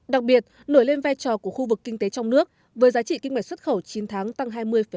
đặc biệt nổi lên vai trò của khu vực kinh tế trong nước với giá trị kinh mạch xuất khẩu chín tháng tăng hai mươi hai